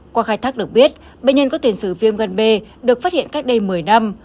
qua khai thác được biết bệnh nhân có tiền sử viêm gan b được phát hiện cách đây một mươi năm